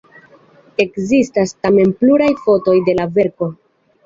Ekzistas tamen pluraj fotoj de la verko.